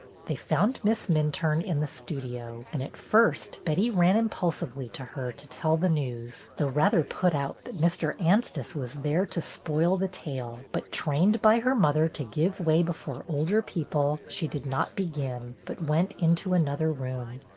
They found Miss Minturne in the studio, and at first Betty ran impulsively to her to tell the news, though rather put out that Mr. Anstice was there to spoil the tale; but, trained by her mother to give way before older people, she did not begin, but went into another room.